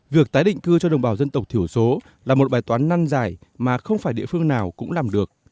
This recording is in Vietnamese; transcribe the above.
việc tái định cư cho đồng bào dân tộc thiểu số là một bài toán năn dài mà không phải địa phương nào cũng làm được